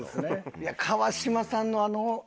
いや川島さんのあの。